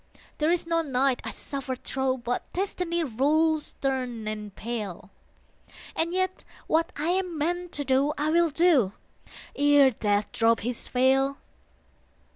There is no night I suffer thro But Destiny rules stern and pale: And yet what I am meant to do I will do, ere Death drop his veil.